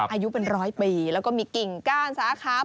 อายุเป็นร้อยปีแล้วก็มีกิ่งก้านสาขา